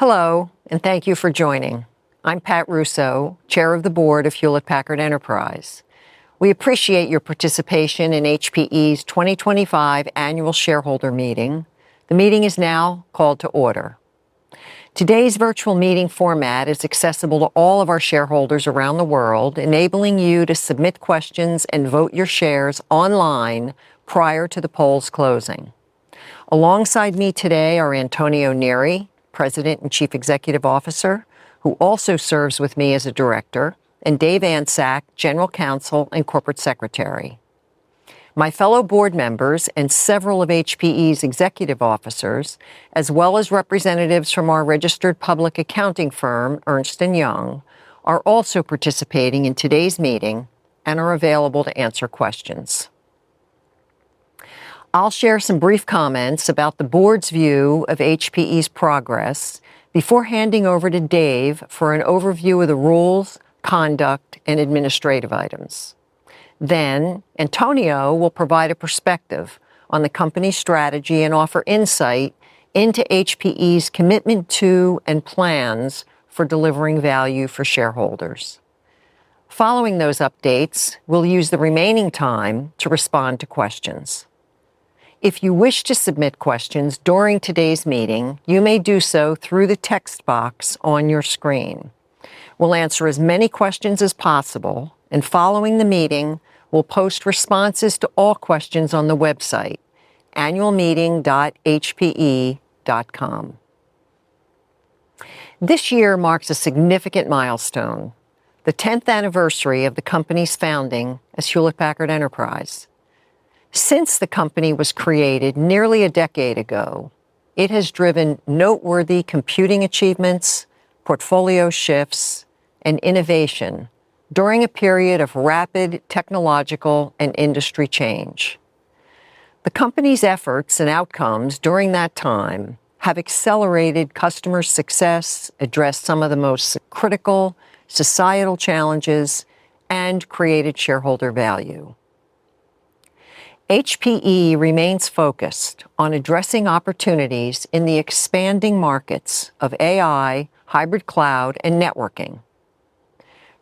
Hello, and thank you for joining. I'm Pat Russo, Chair of the Board of Hewlett Packard Enterprise. We appreciate your participation in HPE's 2025 Annual Shareholder Meeting. The meeting is now called to order. Today's virtual meeting format is accessible to all of our shareholders around the world, enabling you to submit questions and vote your shares online prior to the polls closing. Alongside me today are Antonio Neri, President and Chief Executive Officer, who also serves with me as a Director, and Dave Antczak, General Counsel and Corporate Secretary. My fellow board members and several of HPE's executive officers, as well as representatives from our registered public accounting firm, Ernst & Young, are also participating in today's meeting and are available to answer questions. I'll share some brief comments about the board's view of HPE's progress before handing over to Dave for an overview of the rules, conduct, and administrative items. Then, Antonio will provide a perspective on the company's strategy and offer insight into HPE's commitment to and plans for delivering value for shareholders. Following those updates, we'll use the remaining time to respond to questions. If you wish to submit questions during today's meeting, you may do so through the text box on your screen. We'll answer as many questions as possible, and following the meeting, we'll post responses to all questions on the website, annualmeeting.hpe.com. This year marks a significant milestone, the 10th anniversary of the company's founding as Hewlett Packard Enterprise. Since the company was created nearly a decade ago, it has driven noteworthy computing achievements, portfolio shifts, and innovation during a period of rapid technological and industry change. The company's efforts and outcomes during that time have accelerated customer success, addressed some of the most critical societal challenges, and created shareholder value. HPE remains focused on addressing opportunities in the expanding markets of AI, hybrid cloud, and networking.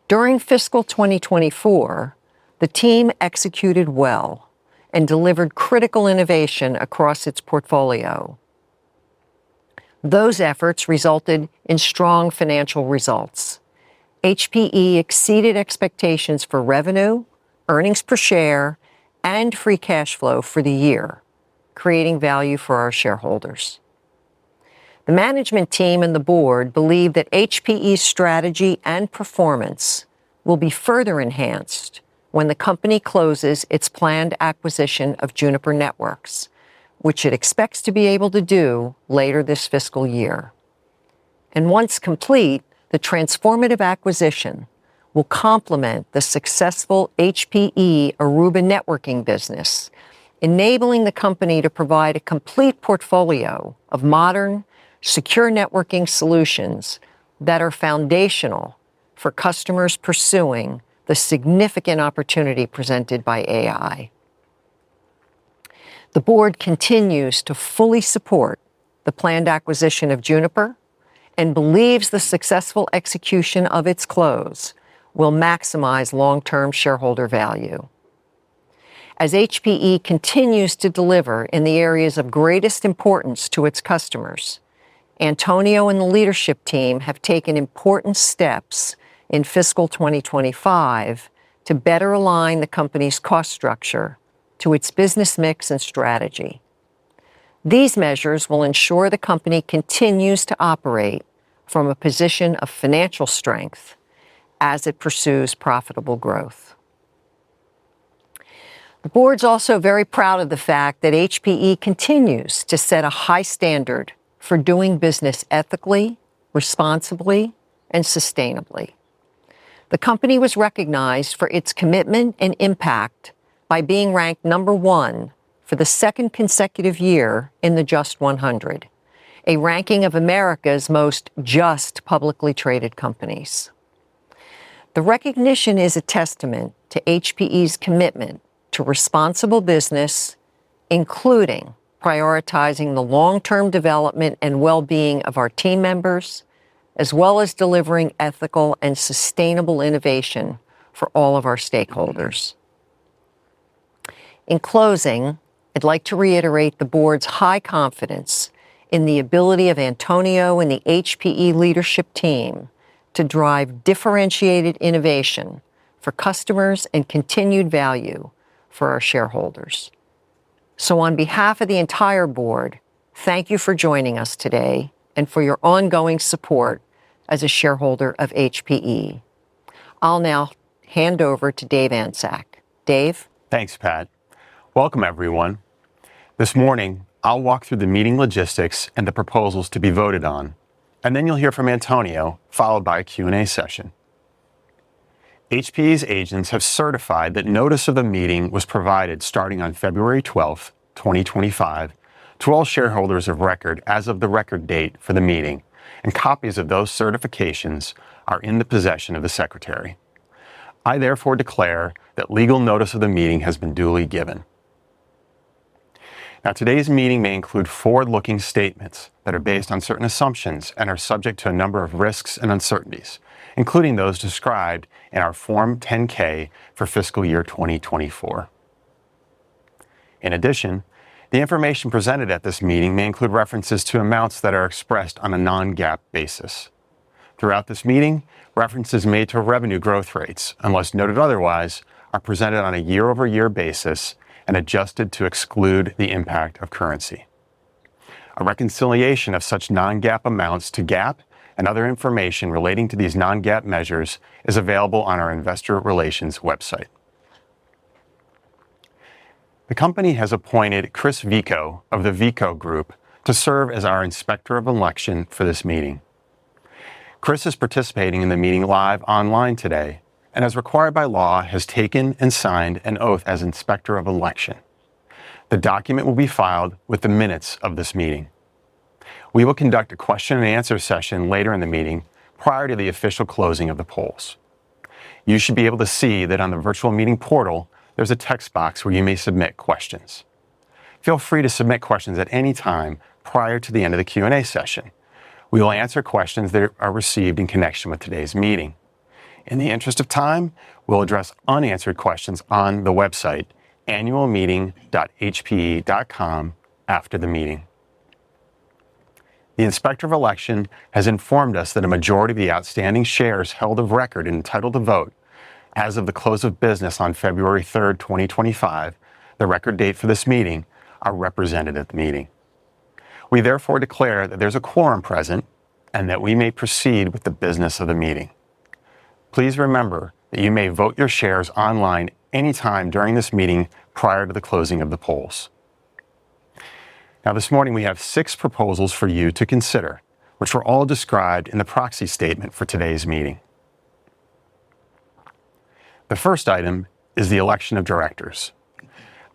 During fiscal 2024, the team executed well and delivered critical innovation across its portfolio. Those efforts resulted in strong financial results. HPE exceeded expectations for revenue, earnings per share, and free cash flow for the year, creating value for our shareholders. The management team and the board believe that HPE's strategy and performance will be further enhanced when the company closes its planned acquisition of Juniper Networks, which it expects to be able to do later this fiscal year. Once complete, the transformative acquisition will complement the successful HPE Aruba Networking business, enabling the company to provide a complete portfolio of modern, secure networking solutions that are foundational for customers pursuing the significant opportunity presented by AI. The board continues to fully support the planned acquisition of Juniper and believes the successful execution of its close will maximize long-term shareholder value. As HPE continues to deliver in the areas of greatest importance to its customers, Antonio and the leadership team have taken important steps in fiscal 2025 to better align the company's cost structure to its business mix and strategy. These measures will ensure the company continues to operate from a position of financial strength as it pursues profitable growth. The board is also very proud of the fact that HPE continues to set a high standard for doing business ethically, responsibly, and sustainably. The company was recognized for its commitment and impact by being ranked number one for the second consecutive year in the JUST 100, a ranking of America's most just publicly traded companies. The recognition is a testament to HPE's commitment to responsible business, including prioritizing the long-term development and well-being of our team members, as well as delivering ethical and sustainable innovation for all of our stakeholders. In closing, I'd like to reiterate the board's high confidence in the ability of Antonio and the HPE leadership team to drive differentiated innovation for customers and continued value for our shareholders. On behalf of the entire board, thank you for joining us today and for your ongoing support as a shareholder of HPE. I'll now hand over to Dave Antczak. Dave. Thanks, Pat. Welcome, everyone. This morning, I'll walk through the meeting logistics and the proposals to be voted on, and then you'll hear from Antonio, followed by a Q&A session. HPE's agents have certified that notice of the meeting was provided starting on February 12, 2025, to all shareholders of record as of the record date for the meeting, and copies of those certifications are in the possession of the Secretary. I therefore declare that legal notice of the meeting has been duly given. Now, today's meeting may include forward-looking statements that are based on certain assumptions and are subject to a number of risks and uncertainties, including those described in our Form 10-K for fiscal year 2024. In addition, the information presented at this meeting may include references to amounts that are expressed on a non-GAAP basis. Throughout this meeting, references made to revenue growth rates, unless noted otherwise, are presented on a year-over-year basis and adjusted to exclude the impact of currency. A reconciliation of such non-GAAP amounts to GAAP and other information relating to these non-GAAP measures is available on our Investor Relations website. The company has appointed Kris Veaco of the Veaco Group to serve as our Inspector of Election for this meeting. Kris is participating in the meeting live online today and, as required by law, has taken and signed an oath as Inspector of Election. The document will be filed with the minutes of this meeting. We will conduct a question-and-answer session later in the meeting prior to the official closing of the polls. You should be able to see that on the virtual meeting portal, there's a text box where you may submit questions. Feel free to submit questions at any time prior to the end of the Q&A session. We will answer questions that are received in connection with today's meeting. In the interest of time, we'll address unanswered questions on the website, annualmeeting.hpe.com, after the meeting. The Inspector of Election has informed us that a majority of the outstanding shares held of record entitled to vote as of the close of business on February 3, 2025, the record date for this meeting, are represented at the meeting. We therefore declare that there's a quorum present and that we may proceed with the business of the meeting. Please remember that you may vote your shares online anytime during this meeting prior to the closing of the polls. Now, this morning, we have six proposals for you to consider, which were all described in the proxy statement for today's meeting. The first item is the election of directors.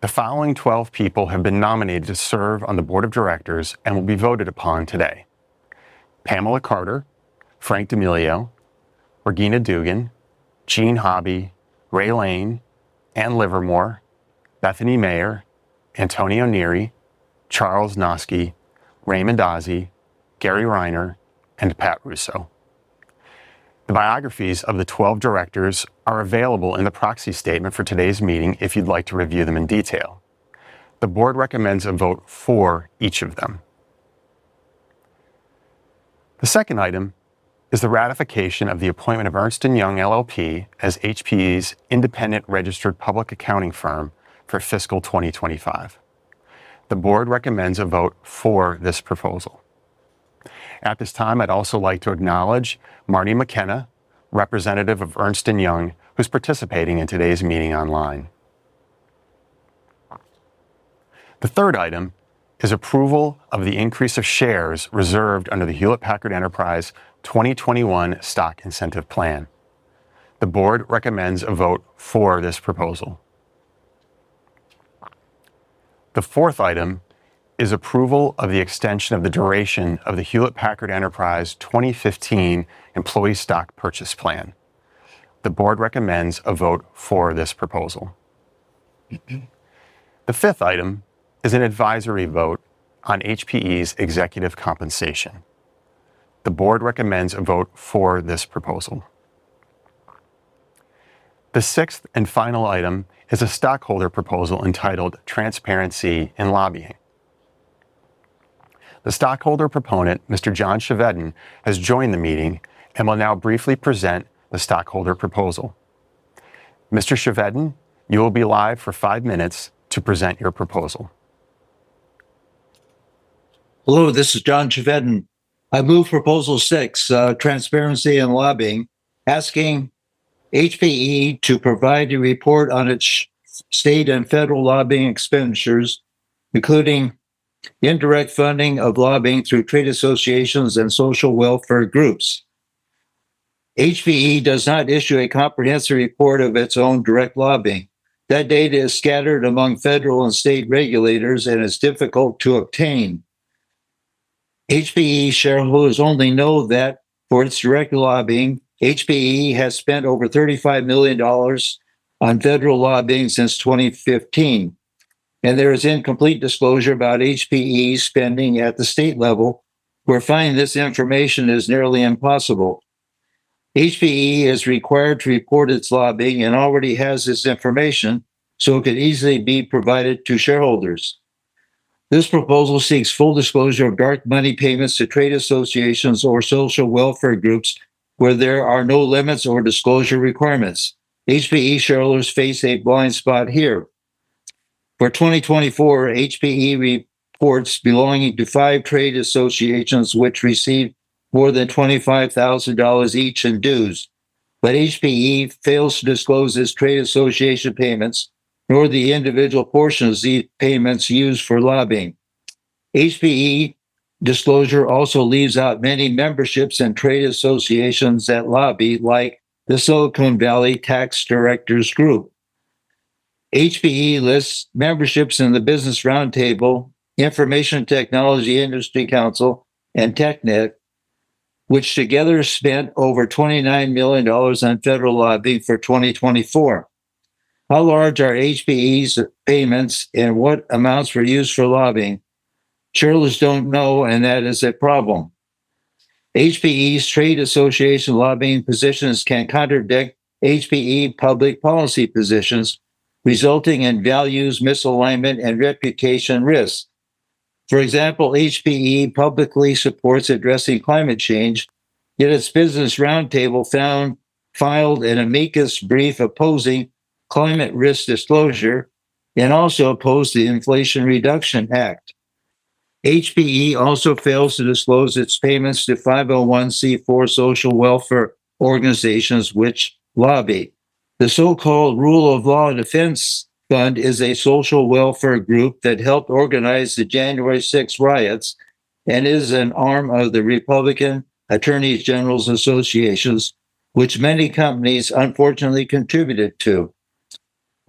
The following 12 people have been nominated to serve on the Board of Directors and will be voted upon today: Pamela Carter, Frank D'Amelio, Regina Dugan, Jean Hobby, Ray Lane, Ann Livermore, Bethany Mayer, Antonio Neri, Charles Noski, Raymond Ozzie, Gary Reiner, and Pat Russo. The biographies of the 12 directors are available in the proxy statement for today's meeting if you'd like to review them in detail. The board recommends a vote for each of them. The second item is the ratification of the appointment of Ernst & Young LLP as HPE's independent registered public accounting firm for fiscal 2025. The board recommends a vote for this proposal. At this time, I'd also like to acknowledge Marnie McKenna, representative of Ernst & Young, who's participating in today's meeting online. The third item is approval of the increase of shares reserved under the Hewlett Packard Enterprise 2021 Stock Incentive Plan. The board recommends a vote for this proposal. The fourth item is approval of the extension of the duration of the Hewlett Packard Enterprise 2015 Employee Stock Purchase Plan. The board recommends a vote for this proposal. The fifth item is an advisory vote on HPE's executive compensation. The board recommends a vote for this proposal. The sixth and final item is a stockholder proposal entitled Transparency and Lobbying. The stockholder proponent, Mr. John Chevedden, has joined the meeting and will now briefly present the stockholder proposal. Mr. Chevedden, you will be live for five minutes to present your proposal. Hello, this is John Chevedden. I move proposal six, Transparency and Lobbying, asking HPE to provide a report on its state and federal lobbying expenditures, including indirect funding of lobbying through trade associations and social welfare groups. HPE does not issue a comprehensive report of its own direct lobbying. That data is scattered among federal and state regulators and is difficult to obtain. HPE shareholders only know that for its direct lobbying, HPE has spent over $35 million on federal lobbying since 2015, and there is incomplete disclosure about HPE's spending at the state level, where finding this information is nearly impossible. HPE is required to report its lobbying and already has this information, so it could easily be provided to shareholders. This proposal seeks full disclosure of dark money payments to trade associations or social welfare groups where there are no limits or disclosure requirements. HPE shareholders face a blind spot here. For 2024, HPE reports belonging to five trade associations which receive more than $25,000 each in dues, but HPE fails to disclose its trade association payments nor the individual portions of these payments used for lobbying. HPE disclosure also leaves out many memberships and trade associations that lobby, like the Silicon Valley Tax Directors Group. HPE lists memberships in the Business Roundtable, Information Technology Industry Council, and TechNet, which together spent over $29 million on federal lobbying for 2024. How large are HPE's payments and what amounts were used for lobbying? Shareholders don't know, and that is a problem. HPE's trade association lobbying positions can contradict HPE public policy positions, resulting in values misalignment and reputation risks. For example, HPE publicly supports addressing climate change, yet its Business Roundtable found filed an amicus brief opposing climate risk disclosure and also opposed the Inflation Reduction Act. HPE also fails to disclose its payments to 501(c)(4) social welfare organizations which lobby. The so-called Rule of Law Defense Fund is a social welfare group that helped organize the January 6 riots and is an arm of the Republican Attorneys Generals Association, which many companies unfortunately contributed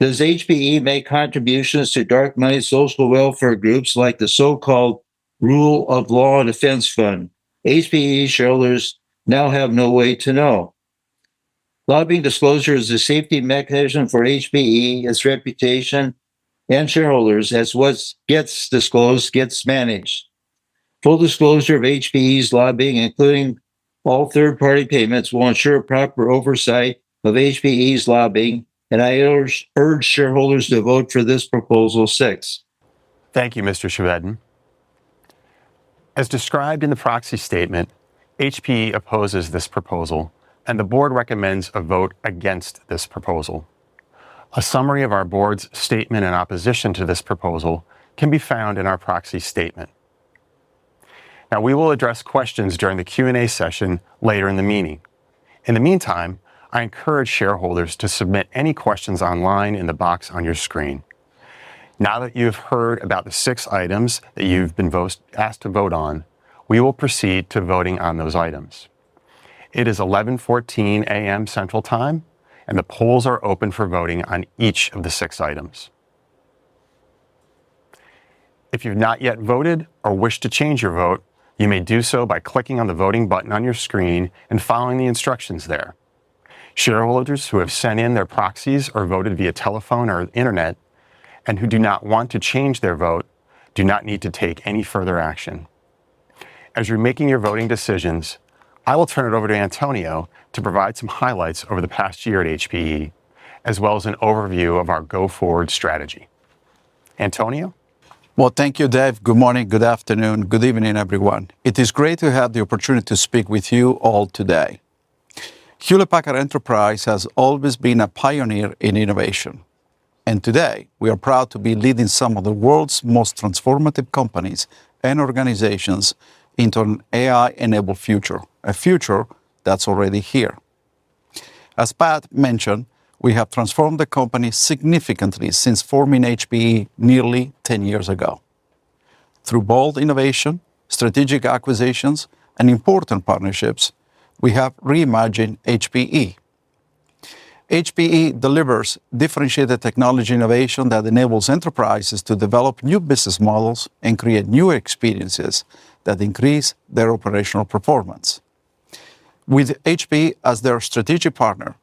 to. Does HPE make contributions to dark money social welfare groups like the so-called Rule of Law Defense Fund? HPE shareholders now have no way to know. Lobbying disclosure is a safety mechanism for HPE, its reputation, and shareholders as what gets disclosed gets managed. Full disclosure of HPE's lobbying, including all third-party payments, will ensure proper oversight of HPE's lobbying, and I urge shareholders to vote for this proposal six. Thank you, Mr. Chevedden. As described in the proxy statement, HPE opposes this proposal, and the board recommends a vote against this proposal. A summary of our board's statement and opposition to this proposal can be found in our proxy statement. Now, we will address questions during the Q&A session later in the meeting. In the meantime, I encourage shareholders to submit any questions online in the box on your screen. Now that you have heard about the six items that you've been asked to vote on, we will proceed to voting on those items. It is 11:14 A.M. Central Time, and the polls are open for voting on each of the six items. If you've not yet voted or wish to change your vote, you may do so by clicking on the voting button on your screen and following the instructions there. Shareholders who have sent in their proxies or voted via telephone or internet and who do not want to change their vote do not need to take any further action. As you're making your voting decisions, I will turn it over to Antonio to provide some highlights over the past year at HPE, as well as an overview of our go-forward strategy. Antonio? Thank you, Dave. Good morning, good afternoon, good evening, everyone. It is great to have the opportunity to speak with you all today. Hewlett Packard Enterprise has always been a pioneer in innovation, and today we are proud to be leading some of the world's most transformative companies and organizations into an AI-enabled future, a future that's already here. As Pat mentioned, we have transformed the company significantly since forming HPE nearly 10 years ago. Through bold innovation, strategic acquisitions, and important partnerships, we have reimagined HPE. HPE delivers differentiated technology innovation that enables enterprises to develop new business models and create new experiences that increase their operational performance. With HPE as their strategic partner,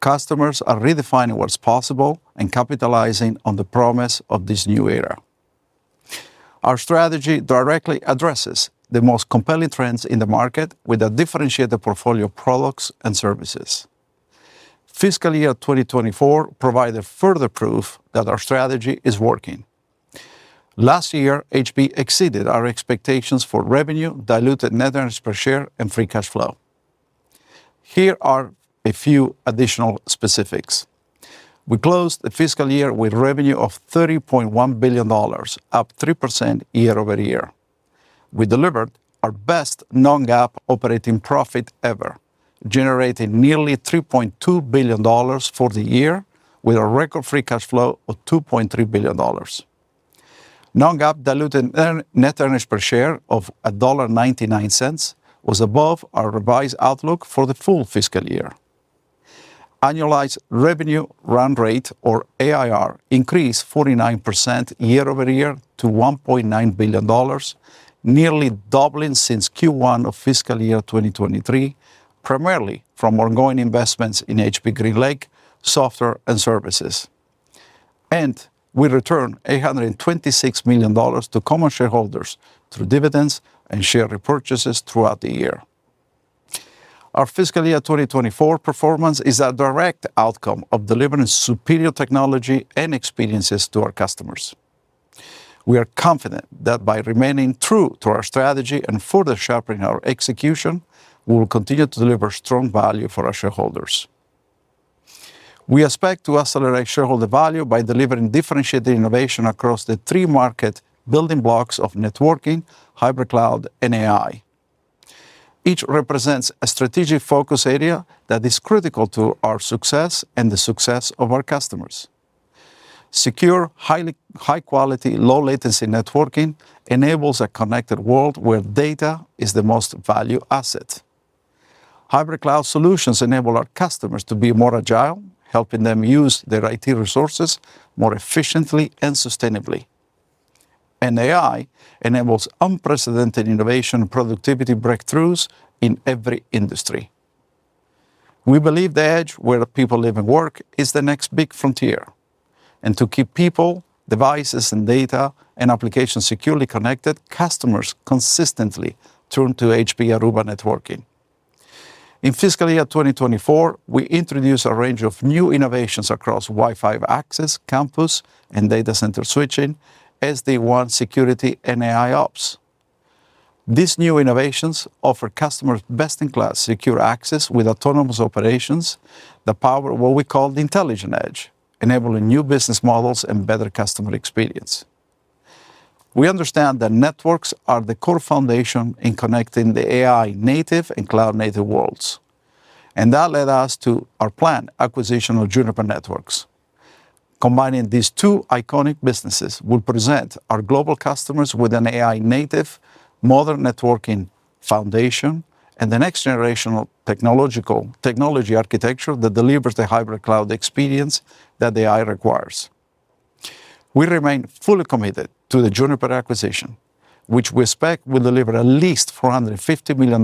customers are redefining what's possible and capitalizing on the promise of this new era. Our strategy directly addresses the most compelling trends in the market with a differentiated portfolio of products and services. Fiscal year 2024 provided further proof that our strategy is working. Last year, HPE exceeded our expectations for revenue, diluted net earnings per share, and free cash flow. Here are a few additional specifics. We closed the fiscal year with revenue of $30.1 billion, up 3% year-over-year. We delivered our best non-GAAP operating profit ever, generating nearly $3.2 billion for the year with a record free cash flow of $2.3 billion. Non-GAAP diluted net earnings per share of $1.99 was above our revised outlook for the full fiscal year. Annualized revenue run rate, or ARR, increased 49% year-over-year to $1.9 billion, nearly doubling since Q1 of fiscal year 2023, primarily from ongoing investments in HPE GreenLake software and services. We returned $826 million to common shareholders through dividends and share repurchases throughout the year. Our fiscal year 2024 performance is a direct outcome of delivering superior technology and experiences to our customers. We are confident that by remaining true to our strategy and further sharpening our execution, we will continue to deliver strong value for our shareholders. We expect to accelerate shareholder value by delivering differentiated innovation across the three market building blocks of networking, hybrid cloud, and AI. Each represents a strategic focus area that is critical to our success and the success of our customers. Secure, high-quality, low-latency networking enables a connected world where data is the most valued asset. Hybrid cloud solutions enable our customers to be more agile, helping them use their IT resources more efficiently and sustainably. AI enables unprecedented innovation and productivity breakthroughs in every industry. We believe the edge where people live and work is the next big frontier. To keep people, devices, and data and applications securely connected, customers consistently turn to HPE Aruba Networking. In fiscal year 2024, we introduced a range of new innovations across Wi-Fi access, campus, and data center switching, SD-WAN security, and AI-Ops. These new innovations offer customers best-in-class secure access with autonomous operations that power what we call the intelligent edge, enabling new business models and better customer experience. We understand that networks are the core foundation in connecting the AI-native and cloud-native worlds. That led us to our plan, acquisition of Juniper Networks. Combining these two iconic businesses will present our global customers with an AI-native modern networking foundation and the next generation of technology architecture that delivers the hybrid cloud experience that AI requires. We remain fully committed to the Juniper acquisition, which we expect will deliver at least $450 million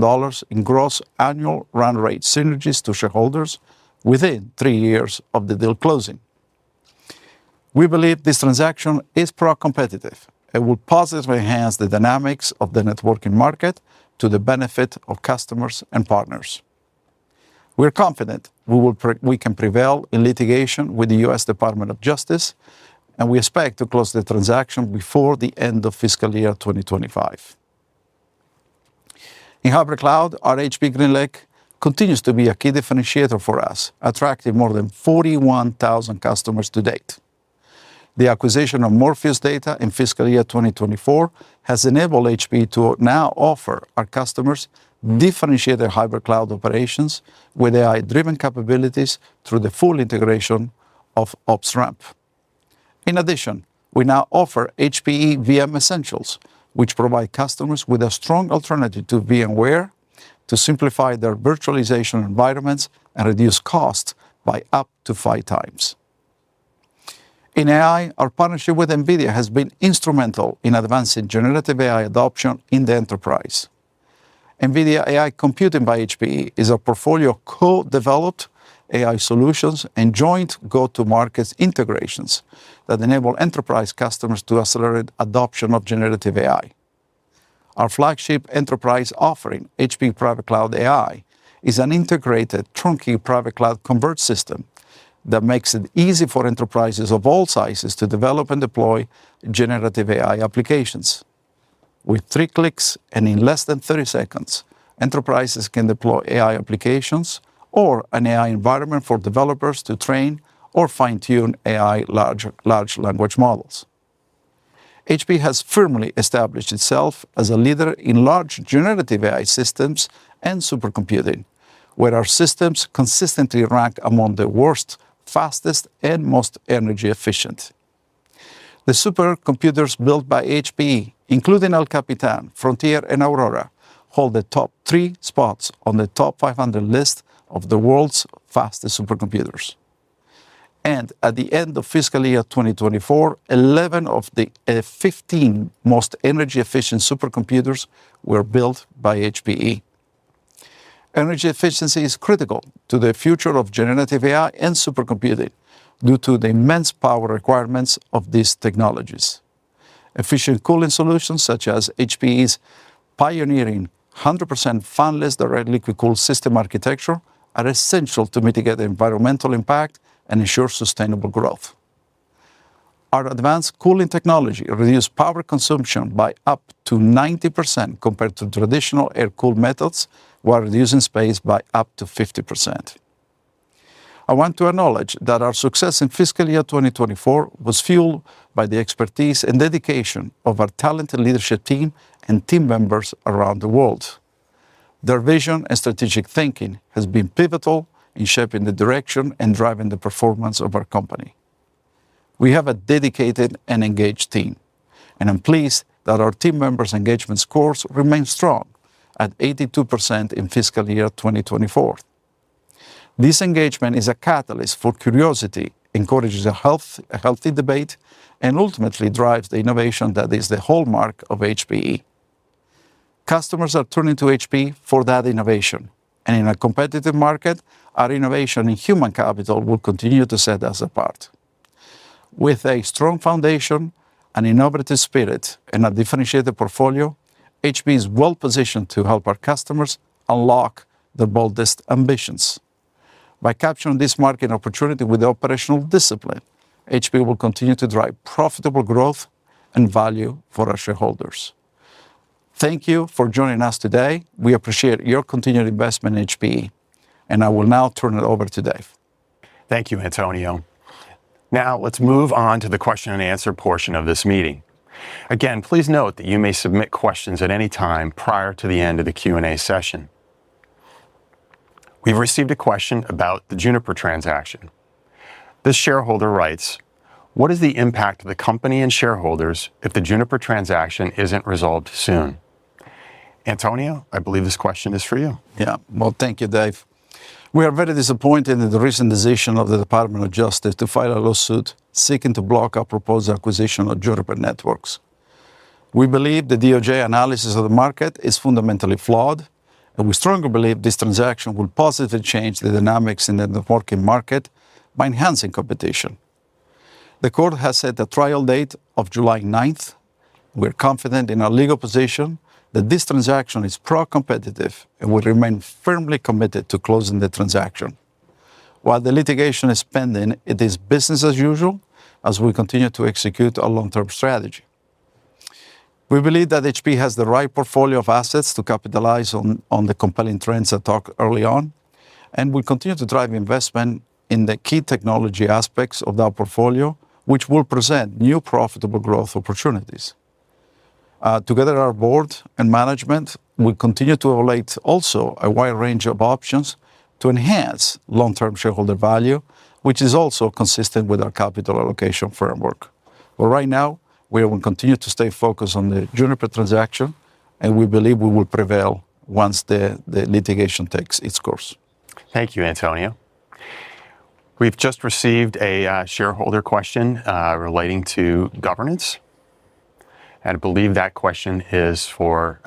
in gross annual run rate synergies to shareholders within three years of the deal closing. We believe this transaction is pro-competitive and will positively enhance the dynamics of the networking market to the benefit of customers and partners. We are confident we can prevail in litigation with the U.S. Department of Justice, and we expect to close the transaction before the end of fiscal year 2025. In hybrid cloud, our HPE GreenLake continues to be a key differentiator for us, attracting more than 41,000 customers to date. The acquisition of Morpheus Data in fiscal year 2024 has enabled HPE to now offer our customers differentiated hybrid cloud operations with AI-driven capabilities through the full integration of OpsRamp. In addition, we now offer HPE VM Essentials, which provide customers with a strong alternative to VMware to simplify their virtualization environments and reduce costs by up to five times. In AI, our partnership with NVIDIA has been instrumental in advancing generative AI adoption in the enterprise. NVIDIA AI Computing by HPE is a portfolio of co-developed AI solutions and joint go-to-market integrations that enable enterprise customers to accelerate adoption of generative AI. Our flagship enterprise offering, HPE Private Cloud AI, is an integrated trunky private cloud converged system that makes it easy for enterprises of all sizes to develop and deploy generative AI applications. With three clicks and in less than 30 seconds, enterprises can deploy AI applications or an AI environment for developers to train or fine-tune AI large language models. HPE has firmly established itself as a leader in large generative AI systems and supercomputing, where our systems consistently rank among the world's, fastest, and most energy-efficient. The supercomputers built by HPE, including El Capitan, Frontier, and Aurora, hold the top three spots on the top 500 list of the world's fastest supercomputers. At the end of fiscal year 2024, 11 of the 15 most energy-efficient supercomputers were built by HPE. Energy efficiency is critical to the future of generative AI and supercomputing due to the immense power requirements of these technologies. Efficient cooling solutions such as HPE's pioneering 100% fanless direct liquid cool system architecture are essential to mitigate the environmental impact and ensure sustainable growth. Our advanced cooling technology reduced power consumption by up to 90% compared to traditional air-cooled methods, while reducing space by up to 50%. I want to acknowledge that our success in fiscal year 2024 was fueled by the expertise and dedication of our talented leadership team and team members around the world. Their vision and strategic thinking have been pivotal in shaping the direction and driving the performance of our company. We have a dedicated and engaged team, and I'm pleased that our team members' engagement scores remain strong at 82% in fiscal year 2024. This engagement is a catalyst for curiosity, encourages a healthy debate, and ultimately drives the innovation that is the hallmark of HPE. Customers are turning to HPE for that innovation, and in a competitive market, our innovation in human capital will continue to set us apart. With a strong foundation, an innovative spirit, and a differentiated portfolio, HPE is well positioned to help our customers unlock their boldest ambitions. By capturing this market opportunity with operational discipline, HPE will continue to drive profitable growth and value for our shareholders. Thank you for joining us today. We appreciate your continued investment in HPE, and I will now turn it over to Dave. Thank you, Antonio. Now, let's move on to the question-and-answer portion of this meeting. Again, please note that you may submit questions at any time prior to the end of the Q&A session. We've received a question about the Juniper transaction. This shareholder writes, "What is the impact to the company and shareholders if the Juniper transaction isn't resolved soon?" Antonio, I believe this question is for you. Yeah, thank you, Dave. We are very disappointed in the recent decision of the Department of Justice to file a lawsuit seeking to block our proposed acquisition of Juniper Networks. We believe the DOJ analysis of the market is fundamentally flawed, and we strongly believe this transaction will positively change the dynamics in the networking market by enhancing competition. The court has set a trial date of July 9th. We're confident in our legal position that this transaction is pro-competitive and we remain firmly committed to closing the transaction. While the litigation is pending, it is business as usual as we continue to execute our long-term strategy. We believe that HPE has the right portfolio of assets to capitalize on the compelling trends I talked early on, and we'll continue to drive investment in the key technology aspects of our portfolio, which will present new profitable growth opportunities. Together, our board and management will continue to evaluate also a wide range of options to enhance long-term shareholder value, which is also consistent with our capital allocation framework. Right now, we will continue to stay focused on the Juniper transaction, and we believe we will prevail once the litigation takes its course. Thank you, Antonio. We've just received a shareholder question relating to governance, and I believe that question is for,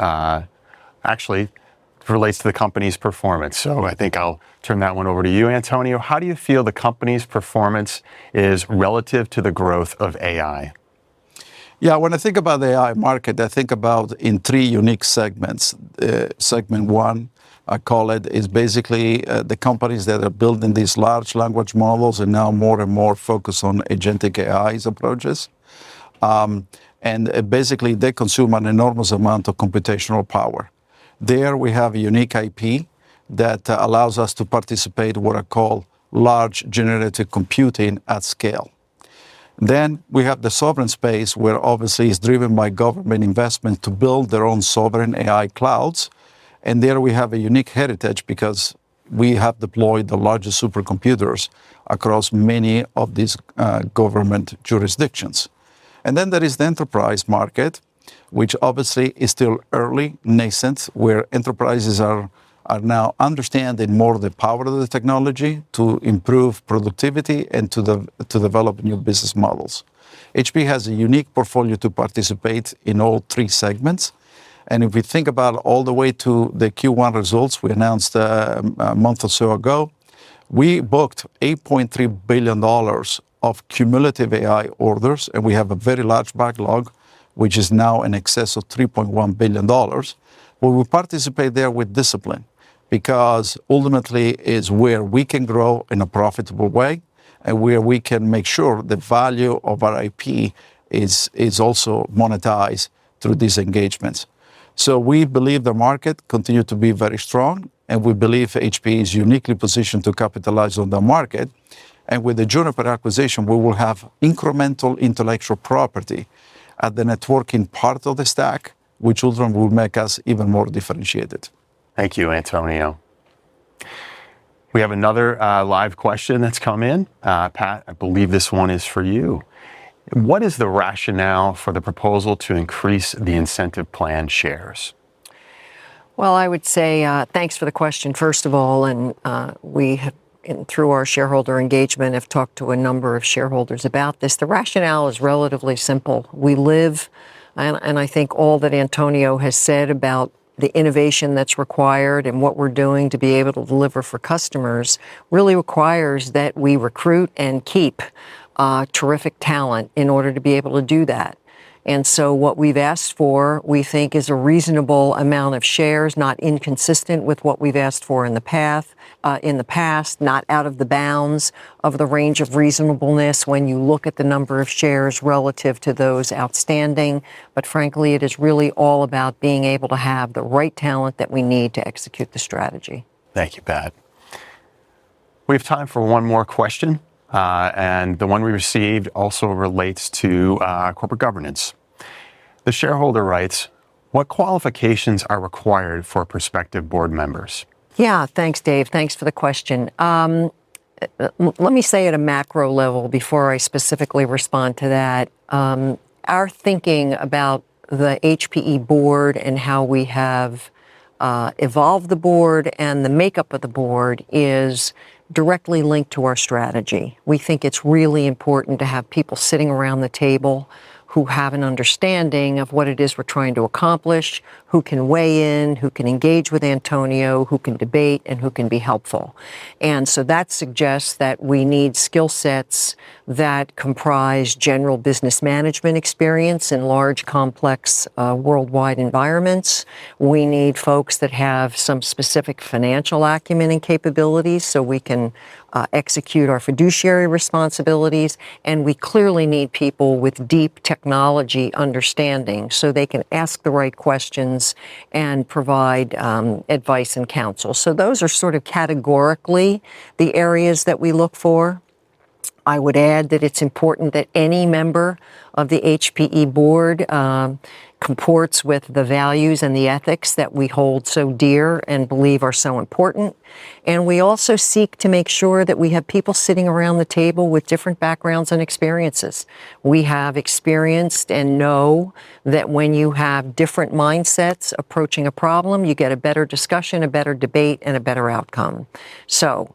actually, it relates to the company's performance. I think I'll turn that one over to you, Antonio. How do you feel the company's performance is relative to the growth of AI? Yeah, when I think about the AI market, I think about in three unique segments. Segment one, I call it, is basically the companies that are building these large language models and now more and more focus on agentic AI approaches. Basically, they consume an enormous amount of computational power. There, we have a unique IP that allows us to participate in what I call large generative computing at scale. We have the sovereign space, where obviously it's driven by government investment to build their own sovereign AI clouds. There we have a unique heritage because we have deployed the largest supercomputers across many of these government jurisdictions. There is the enterprise market, which obviously is still early, nascent, where enterprises are now understanding more of the power of the technology to improve productivity and to develop new business models. HPE has a unique portfolio to participate in all three segments. If we think about all the way to the Q1 results we announced a month or so ago, we booked $8.3 billion of cumulative AI orders, and we have a very large backlog, which is now in excess of $3.1 billion. We participate there with discipline because ultimately it is where we can grow in a profitable way and where we can make sure the value of our IP is also monetized through these engagements. We believe the market continues to be very strong, and we believe HPE is uniquely positioned to capitalize on the market. With the Juniper acquisition, we will have incremental intellectual property at the networking part of the stack, which ultimately will make us even more differentiated. Thank you, Antonio. We have another live question that's come in. Pat, I believe this one is for you. What is the rationale for the proposal to increase the incentive plan shares? I would say thanks for the question, first of all. We have, through our shareholder engagement, talked to a number of shareholders about this. The rationale is relatively simple. We live, and I think all that Antonio has said about the innovation that's required and what we're doing to be able to deliver for customers really requires that we recruit and keep terrific talent in order to be able to do that. What we've asked for, we think, is a reasonable amount of shares, not inconsistent with what we've asked for in the past, not out of the bounds of the range of reasonableness when you look at the number of shares relative to those outstanding. Frankly, it is really all about being able to have the right talent that we need to execute the strategy. Thank you, Pat. We have time for one more question, and the one we received also relates to corporate governance. The shareholder writes, "What qualifications are required for prospective board members? Yeah, thanks, Dave. Thanks for the question. Let me say at a macro level before I specifically respond to that. Our thinking about the HPE board and how we have evolved the board and the makeup of the board is directly linked to our strategy. We think it's really important to have people sitting around the table who have an understanding of what it is we're trying to accomplish, who can weigh in, who can engage with Antonio, who can debate, and who can be helpful. That suggests that we need skill sets that comprise general business management experience in large, complex, worldwide environments. We need folks that have some specific financial acumen and capabilities so we can execute our fiduciary responsibilities. We clearly need people with deep technology understanding so they can ask the right questions and provide advice and counsel. Those are sort of categorically the areas that we look for. I would add that it's important that any member of the HPE board comports with the values and the ethics that we hold so dear and believe are so important. We also seek to make sure that we have people sitting around the table with different backgrounds and experiences. We have experienced and know that when you have different mindsets approaching a problem, you get a better discussion, a better debate, and a better outcome.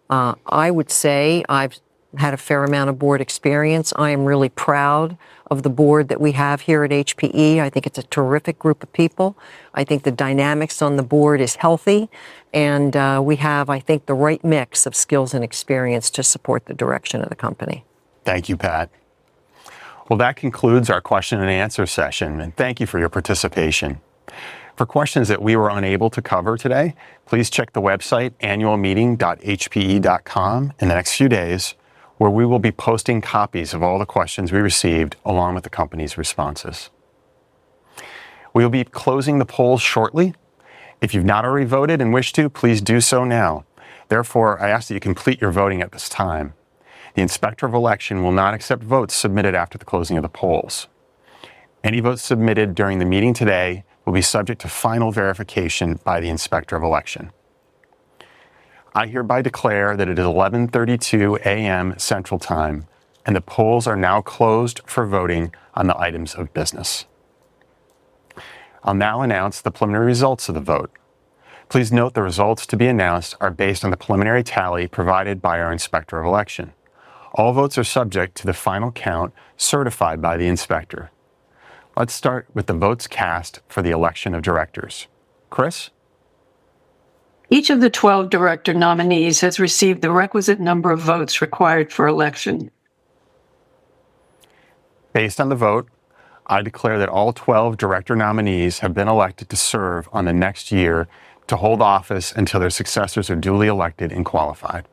I would say I've had a fair amount of board experience. I am really proud of the board that we have here at HPE. I think it's a terrific group of people. I think the dynamics on the board is healthy, and we have, I think, the right mix of skills and experience to support the direction of the company. Thank you, Pat. That concludes our question-and-answer session, and thank you for your participation. For questions that we were unable to cover today, please check the website, annualmeeting.hpe.com, in the next few days, where we will be posting copies of all the questions we received along with the company's responses. We will be closing the polls shortly. If you have not already voted and wish to, please do so now. Therefore, I ask that you complete your voting at this time. The inspector of election will not accept votes submitted after the closing of the polls. Any votes submitted during the meeting today will be subject to final verification by the inspector of election. I hereby declare that it is 11:32 A.M. Central Time, and the polls are now closed for voting on the items of business. I'll now announce the preliminary results of the vote. Please note the results to be announced are based on the preliminary tally provided by our inspector of election. All votes are subject to the final count certified by the inspector. Let's start with the votes cast for the election of directors. Kris? Each of the 12 director nominees has received the requisite number of votes required for election. Based on the vote, I declare that all 12 director nominees have been elected to serve on the next year to hold office until their successors are duly elected and qualified.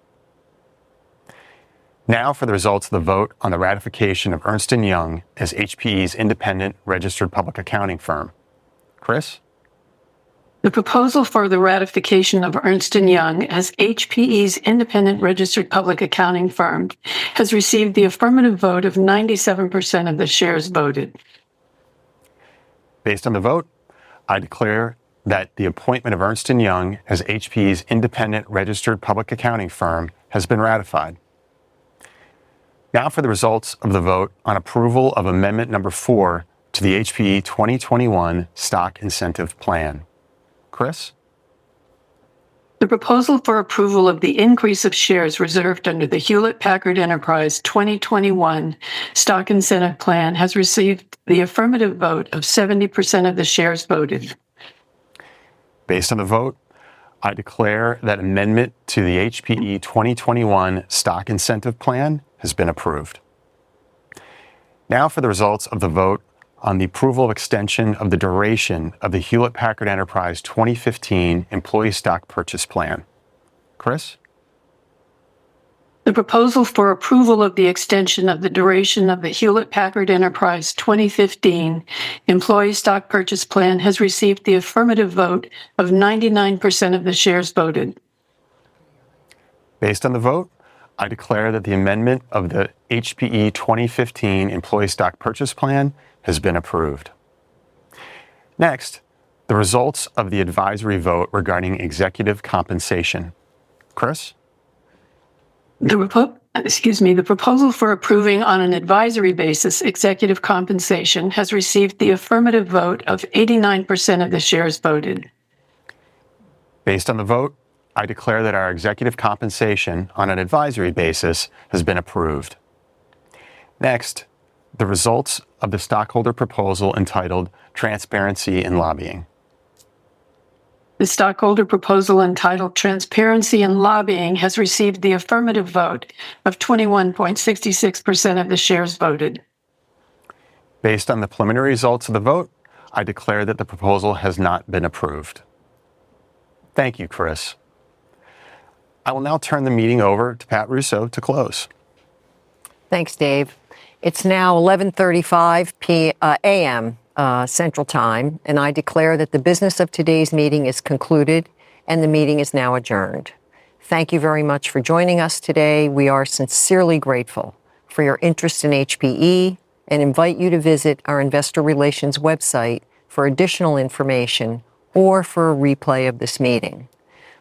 Now for the results of the vote on the ratification of Ernst & Young as HPE's independent registered public accounting firm. Kris? The proposal for the ratification of Ernst & Young as HPE's independent registered public accounting firm has received the affirmative vote of 97% of the shares voted. Based on the vote, I declare that the appointment of Ernst & Young as HPE's independent registered public accounting firm has been ratified. Now for the results of the vote on approval of amendment number four to the HPE 2021 stock incentive plan. Kris? The proposal for approval of the increase of shares reserved under the Hewlett Packard Enterprise 2021 stock incentive plan has received the affirmative vote of 70% of the shares voted. Based on the vote, I declare that amendment to the HPE 2021 stock incentive plan has been approved. Now for the results of the vote on the approval of extension of the duration of the Hewlett Packard Enterprise 2015 employee stock purchase plan. Kris? The proposal for approval of the extension of the duration of the Hewlett Packard Enterprise 2015 employee stock purchase plan has received the affirmative vote of 99% of the shares voted. Based on the vote, I declare that the amendment of the HPE 2015 employee stock purchase plan has been approved. Next, the results of the advisory vote regarding executive compensation. Kris? The proposal for approving on an advisory basis executive compensation has received the affirmative vote of 89% of the shares voted. Based on the vote, I declare that our executive compensation on an advisory basis has been approved. Next, the results of the stockholder proposal entitled "Transparency and Lobbying. The stockholder proposal entitled "Transparency and Lobbying" has received the affirmative vote of 21.66% of the shares voted. Based on the preliminary results of the vote, I declare that the proposal has not been approved. Thank you, Kris. I will now turn the meeting over to Pat Russo to close. Thanks, Dave. It's now 11:35 A.M. Central Time, and I declare that the business of today's meeting is concluded and the meeting is now adjourned. Thank you very much for joining us today. We are sincerely grateful for your interest in HPE and invite you to visit our investor relations website for additional information or for a replay of this meeting.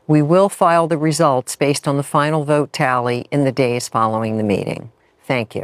We will file the results based on the final vote tally in the days following the meeting. Thank you.